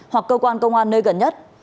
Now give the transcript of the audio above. hoặc cơ quan công an nơi gần nhất